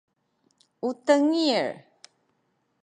u tengil